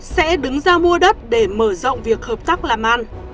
sẽ đứng ra mua đất để mở rộng việc hợp tác làm ăn